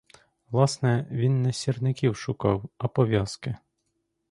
Власне, він не сірників шукав, а пов'язки.